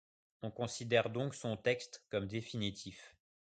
On considère donc son texte comme définitif.